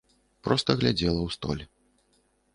Проста глядзела ў столь.